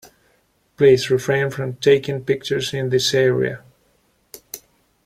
Please refrain from taking pictures in this area.